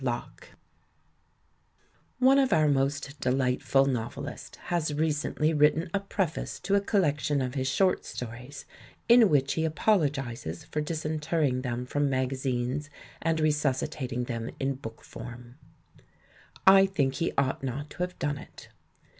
383 INTRODUCTION^ One of our most delightful novelists has re cently written a preface to a collection of his short stories in which he apologises for disinter ring them from magazines and resuscitating them in book form. I think he ought not to have done it.